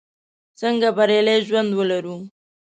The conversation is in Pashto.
څنګه بریالی ژوند ولرو?